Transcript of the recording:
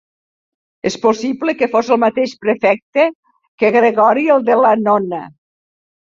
És possible que fos el mateix prefecte que Gregori el de l'annona.